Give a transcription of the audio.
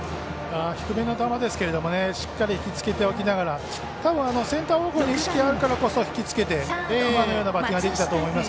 低めの球ですけど引きつけておきながらたぶんセンター方向に意識があるからひきつけて、今のようなバッティングができたと思います。